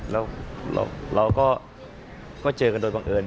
แล้วเราก็เจอกันโดยบังเอิญ